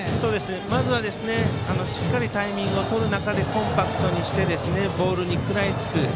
まずはしっかりタイミングをとる中でコンパクトにしてボールに食らいつく。